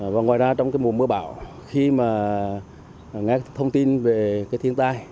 và ngoài ra trong cái mùa mưa bão khi mà nghe thông tin về cái thiên tai